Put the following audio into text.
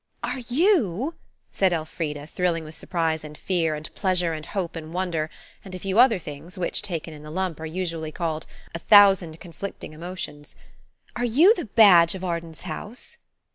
"Are you," said Elfrida, thrilling with surprise and fear, and pleasure and hope, and wonder, and a few other things which, taken in the lump, are usually called "a thousand conflicting emotions,"–"are you the 'badge of Arden's house'?"